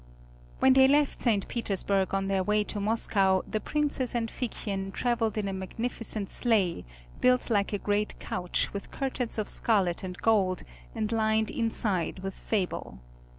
When they left St. Petersburg on their way to Moscow the Princess and Figchen traveled in a magnificent sleigh, built like a great couch with curtains of scarlet and gold, and lined inside with sable.